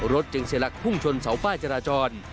จึงเสียหลักพุ่งชนเสาป้ายจราจร